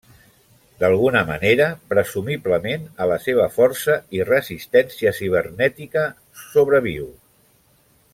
D'alguna manera, presumiblement a la seva força i resistència cibernètica, sobreviu.